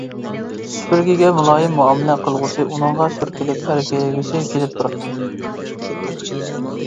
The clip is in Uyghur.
سۈپۈرگىگە مۇلايىم مۇئامىلە قىلغۇسى ئۇنىڭغا سۈركىلىپ ئەركىلىگۈسى كېلىپ تۇراتتى.